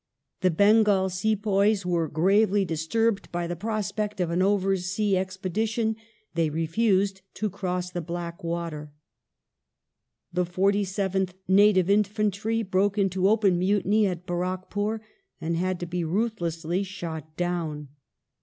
The Bengal Sepoys were gravely disturbed by the prospect of an over sea expedition ; they refused to cross the " black water "; the 47th Native Infantry broke into open mutiny at Ban ackpur and had to be ruthlessly shot down.